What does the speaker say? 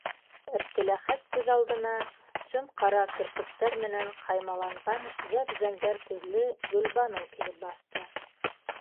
- Әптеләхәт күҙ алдына сөм-ҡара керпектәр менән ҡаймаланған зәп- зәңгәр күҙле Гөлбаныу килеп баҫты.